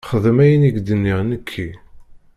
Xdem ayen i ak-d-nniɣ nekki.